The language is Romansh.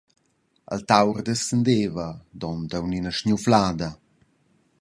Il taur descendeva, dond aunc ina sgnuflada.